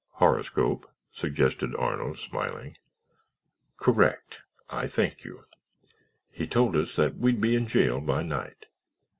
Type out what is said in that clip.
"Horoscope?" suggested Arnold, smiling. "Correct—I thank you. He told us that we'd be in jail by night.